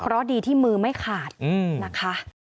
เพราะดีที่มือไม่ขาดนะคะ